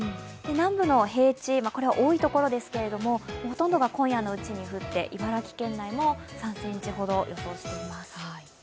南部の平地、多いところですけれども、ほとんどが今夜のうちに降って茨城県内も３ｃｍほどを予想しています